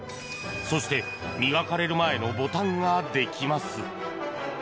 そして磨かれる前のボタンができます。